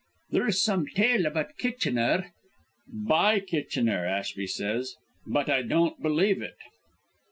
"There's some tale about Kitchener " "By Kitchener, Ashby says; but I don't believe it."